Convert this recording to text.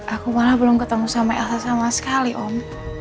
aku malah belum ketemu sama elsa sama sekali om